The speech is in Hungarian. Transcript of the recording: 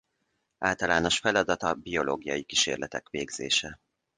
Általános feladata biológiai kísérletek végzése.